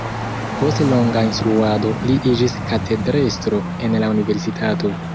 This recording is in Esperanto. Post longa instruado li iĝis katedrestro en la universitato.